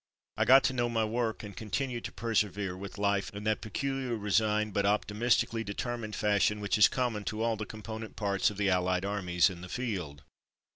I got to know my work and continued to persevere with life in that peculiar resigned but optimistically de termined fashion which is common to all the component parts of the Allied armies in the field.